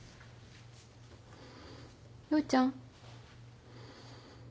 陽ちゃん？